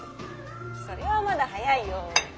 それはまだ早いよ。